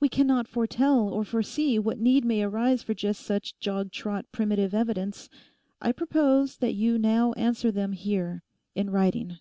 We cannot foretell or foresee what need may arise for just such jog trot primitive evidence. I propose that you now answer them here, in writing.